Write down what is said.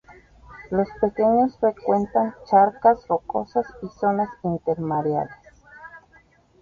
Los pequeños frecuentan charcas rocosas y zonas intermareales.